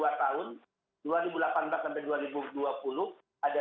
walaupun problemnya turunan dari undang undang yaitu peraturan pemerintahnya